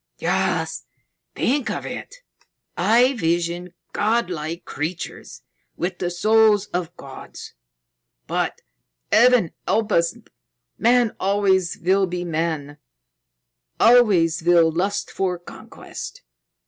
"Yes. Think of it! I visioned godlike creatures with the souls of gods. But, Heaven help us, man always will be man: always will lust for conquest.